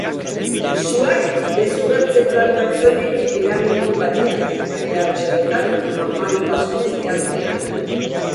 Suak desugertze plantan soilik eragin ditu kalteak, gainerako sailetan normaltasunez dihardute lanean.